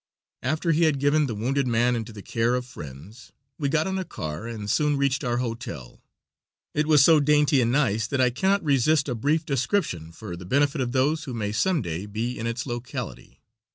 After he had given the wounded man into the care of friends, we got on a car and soon reached our hotel. It was so dainty and nice that I cannot resist a brief description for the benefit of those who may some day be in its locality.